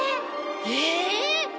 えっ！？